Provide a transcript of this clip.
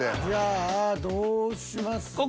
じゃあどうします？